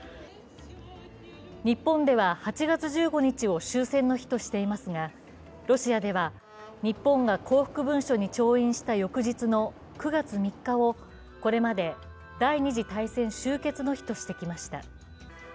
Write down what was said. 日本では８月１５日を終戦の日としていますがロシアでは日本が降伏文書に調印した翌日の９月３日をこれまで第二次大戦終結の日としてきました。